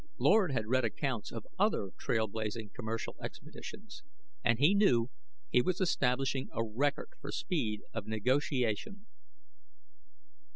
Lord had read accounts of other trailblazing commercial expeditions; and he knew he was establishing a record for speed of negotiation.